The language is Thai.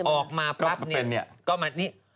ออกมาปั๊บนี่